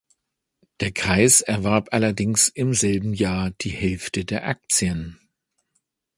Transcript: Der Kreis erwarb allerdings im selben Jahr die Hälfte der Aktien.